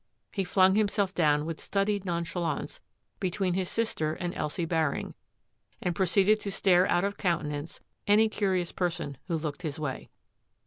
He flung himself down with studied nonchalance between his sister and Elsie Baring, and proceeded to stare out of countenance any curious person who looked his way.